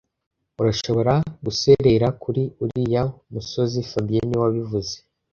Urashobora guserera kuri uriya musozi fabien niwe wabivuze